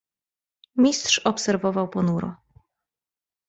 "Mistrz obserwował ponuro."